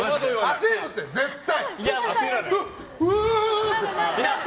焦るって絶対！